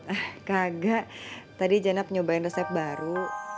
ah kagak tadi janab nyobain resep baru